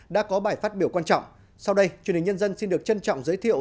đã có bài phát biểu quan trọng sau đây truyền hình nhân dân xin được trân trọng giới thiệu